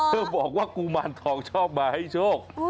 บอกว่ากุมารทองชอบมาให้โชค